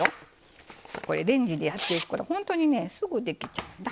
これレンジでやっていくからほんとにねすぐできちゃうんだ。